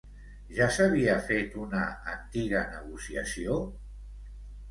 Ja s'havia fet una antiga negociació?